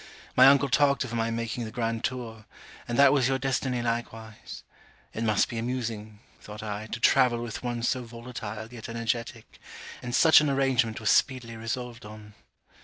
My uncle talked of my making the grand tour; and that was your destiny likewise. It must be amusing, thought I, to travel with one so volatile yet energetic; and such an arrangement was speedily resolved on.